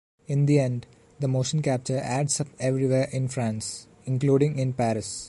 In the end, the motion capture adds up everywhere in France, including in Paris.